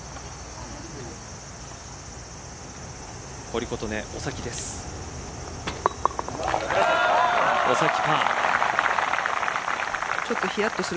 堀琴音、お先です。